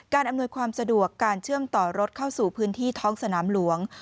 อำนวยความสะดวกการเชื่อมต่อรถเข้าสู่พื้นที่ท้องสนามหลวง